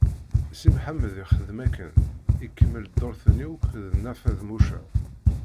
Si Mḥemmed ixdem akken, ikemmel dduṛt-nni akk d Nna Feḍmuca.